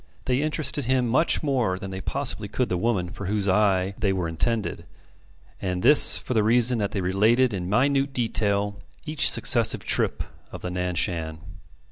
They interested him much more than they possibly could the woman for whose eye they were intended; and this for the reason that they related in minute detail each successive trip of the Nan Shan.